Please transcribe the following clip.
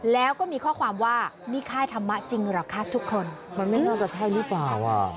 แล้วก็มีข้อความว่านี่ค่ายธรรมะจริงเหรอคะทุกคนมันไม่น่าจะใช่หรือเปล่า